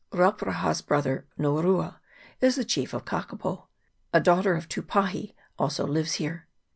Rauparaha's brother, Norua, is the chief of Kakapo. A daughter of Tupahi also lives here.